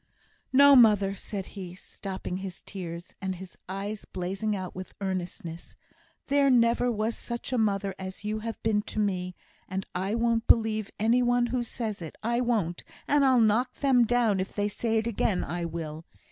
"No, mother," said he, stopping his tears, and his eyes blazing out with earnestness; "there never was such a mother as you have been to me, and I won't believe any one who says it. I won't; and I'll knock them down if they say it again, I will!"